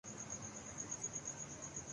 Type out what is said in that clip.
سڑک کے کنارے پتھروں کا ایک جھرمٹ تھا